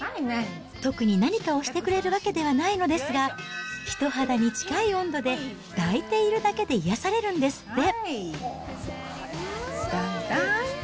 特に何かをしてくれるわけではないのですが、人肌に近い温度で、抱いているだけで癒やされるんですって。